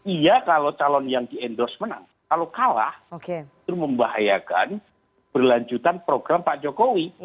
iya kalau calon yang di endorse menang kalau kalah itu membahayakan berlanjutan program pak jokowi